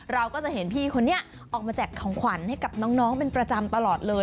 เราก็จะเห็นพี่คนนี้ออกมาแจกของขวัญให้กับน้องเป็นประจำตลอดเลย